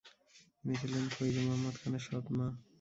তিনি ছিলেন ফৈজ মোহাম্মদ খানের সৎ মা।